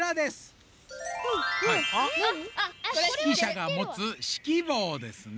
指揮者が持つ指揮棒ですね。